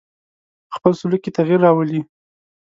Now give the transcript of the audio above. په خپل سلوک کې تغیر راولي.